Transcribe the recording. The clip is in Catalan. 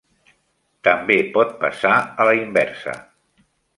També pot passar a la inversa.